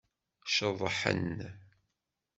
Ceḍḥen.